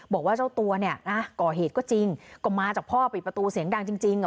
บอกว่าเจ้าตัวเกราะเหตุก็จริงมาจากพ่อปิดประตูเสียงดังจริง